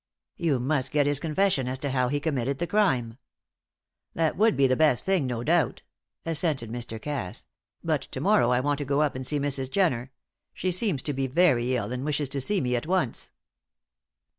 "You must get his confession as to how he committed the crime." "That would be the best thing, no doubt," assented Mr. Cass, "but to morrow I want to go up and see Mrs. Jenner. She seems to be very ill, and wishes to see me at once."